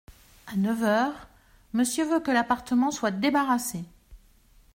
À neuf heures, Monsieur veut que l’appartement soi débarrassé.